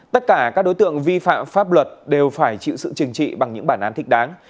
tất cả các đối tượng vi phạm pháp luật đều phải chịu sự chừng trị bằng những bản án thích đáng